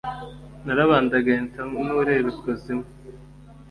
Narabandagaye nsa n’ureba ikuzimu